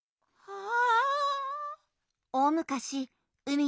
ああ。